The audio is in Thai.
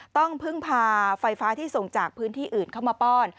ต้องพึ่งพาไฟฟ้าที่ส่งจากพื้นที่อื่นเข้ามาป้อน